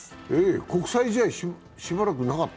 国際試合しばらくなかった？